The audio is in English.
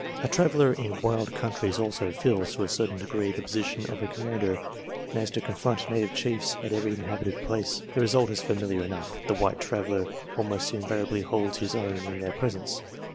A traveller in wild countries also fills, to a certain degree, the posi tion of a commander, and has to confront native chiefs at every inhabited place. The result is familiar enough the white traveller almost invariably holds his own in their presence.